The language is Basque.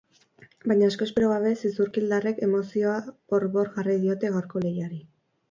Baina asko espero gabe, zizurkildarrek emozioa bor-bor jarri diote gaurko lehiari.